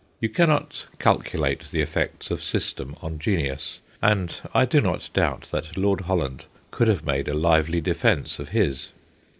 You cannot calculate the effects of system on genius, and I do not doubt that Lord Holland could have made a lively defence of his.